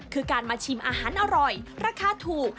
คือการมาชิมอาหารอร่อยราคาถูก